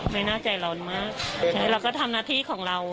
ไม่แน่ใจเรามากเราก็ทำหน้าที่ของเรา